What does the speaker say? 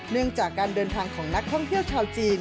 เนื่องจากการเดินทางของนักท่องเที่ยวชาวจีน